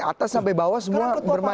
ketua partai mana coba yang tidak pernah